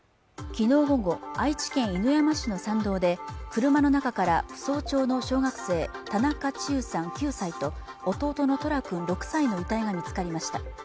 きのう午後愛知県犬山市の山道で車の中から扶桑町の小学生田中千結さん９歳と弟の十楽くん６歳の遺体が見つかりました